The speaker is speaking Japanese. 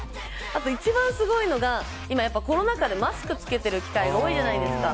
あと一番すごいのが今、コロナ禍でマスクを着けてる機会が多いじゃないですか。